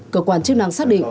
cơ quan chức năng xác định